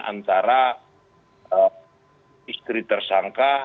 antara istri tersangka